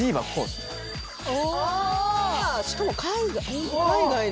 しかも海外の。